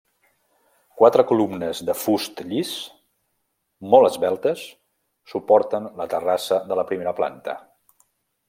Quatre columnes de fust llis, molt esveltes, suporten la terrassa de la primera planta.